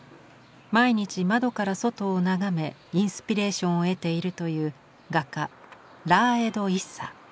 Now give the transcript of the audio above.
毎日窓から外を眺めインスピレーションを得ているという画家ラーエド・イッサ。